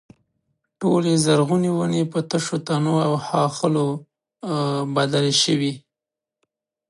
ټولې زرغونې ونې په تشو تنو او ښاخلو بدلې شوې.